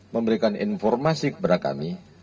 memberikan informasi kepada kami